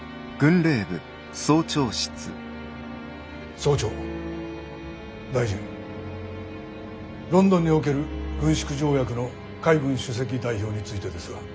総長大臣ロンドンにおける軍縮条約の海軍首席代表についてですが。